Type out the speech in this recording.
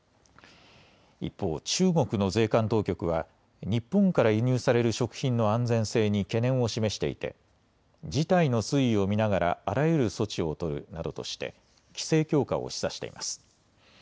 一方、中国の税関当局は日本から輸入される食品の安全性に懸念を示していて事態の推移を見ながらあらゆる措置を取るなどとして規制強化を示唆しています。